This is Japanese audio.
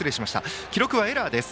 記録はエラーです。